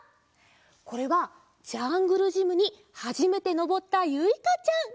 これはジャングルジムにはじめてのぼったゆいかちゃん。